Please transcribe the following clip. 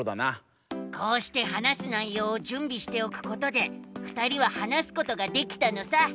こうして話す内ようを準備しておくことでふたりは話すことができたのさ。